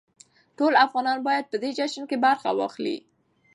ټول افغانان بايد په دې جشن کې برخه واخلي.